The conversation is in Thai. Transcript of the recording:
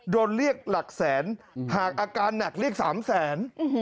โดนเรียกหลักแสนหากอาการหนักเรียก๓แสน